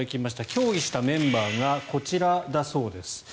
協議したメンバーがこちらだそうです。